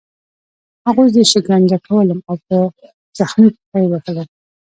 هغوی زه شکنجه کولم او په زخمي پښه یې وهلم